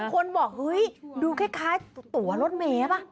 คนบอกเฮ้ยดูคล้ายตัวรถเมย์ป่ะ